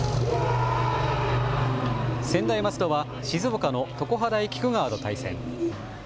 専大松戸は静岡の常葉大菊川と対戦。